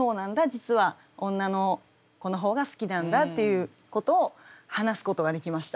実は女の子の方が好きなんだ」っていうことを話すことができました。